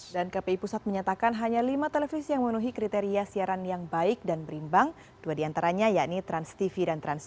dan kpi pusat menyatakan hanya lima televisi yang menuhi kriteria siaran yang baik dan berimbang dua diantaranya yakni transtv dan trans tujuh